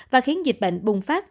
và khiến dịch bệnh